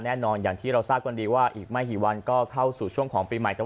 อย่างที่เราทราบกันดีว่าอีกไม่กี่วันก็เข้าสู่ช่วงของปีใหม่